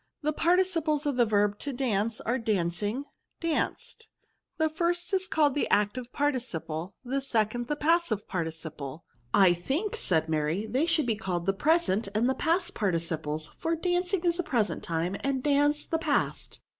The parti ciples of the verb to dance axe dancing, danced; the first is called. the active parti ciple ; the second, the passive participle." *' I think," said Mary, " they should be called the present and the past participles; for ^ancing is the present time, and danced the past.